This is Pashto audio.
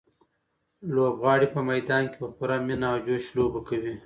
لوبغاړي په میدان کې په پوره مینه او جوش لوبه کوي.